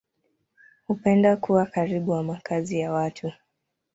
Hupenda kuwa karibu na makazi ya watu.